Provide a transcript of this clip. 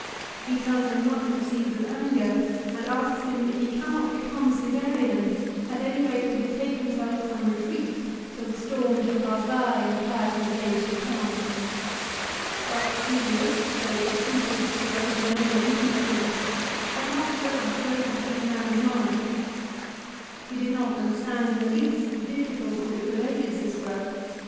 He tells him much of Caesar's anger, and asks him if he cannot become Caesarian, at any rate to betake himself to some retreat till the storm shall pass by and quieter days should come. But Cselius, though it had suited Cicero to know him intimately, had not read the greatness of the man's mind. He did not under stand in the least the difficulty which pervaded Cicero.